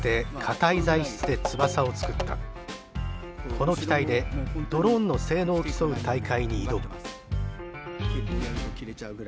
この機体でドローンの性能を競う大会に挑む。